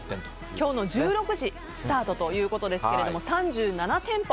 今日の１６時スタートということですが３７店舗